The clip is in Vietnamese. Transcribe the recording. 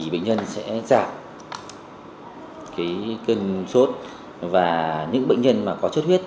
bệnh nhân sẽ giảm cân sốt và những bệnh nhân có chốt huyết